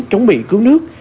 trống mỹ cứu nước